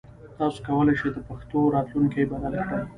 تاسو کولای شئ د پښتو راتلونکی بدل کړئ.